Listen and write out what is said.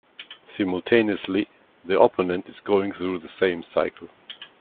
Simultaneously, the opponent is going through the same cycle.